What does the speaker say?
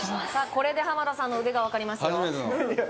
これで浜田さんの腕がわかりますよ